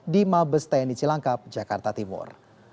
di mabes tni cilangkap jakarta timur